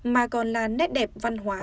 mà còn là nét đẹp văn hóa